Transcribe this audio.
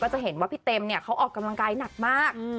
จะเห็นว่าพี่เต็มเนี่ยเขาออกกำลังกายหนักมาก